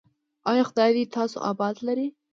ایا خدای دې تاسو اباد لري؟